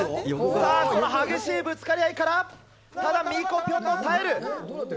さあ、この激しいぶつかり合いから、ただミコぴょんが耐える。